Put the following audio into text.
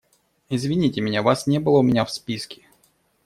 Извините меня, Вас не было у меня в списке.